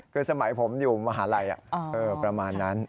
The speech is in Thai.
คือสมัยผมอยู่มหาลัยประมาณนั้น